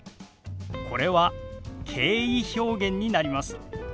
これは敬意表現になります。